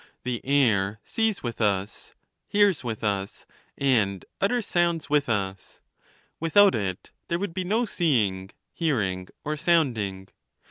The air sees with us, hears with us, and utters Sounds with us ; without it, there would be no seeing, hearing, or sounding.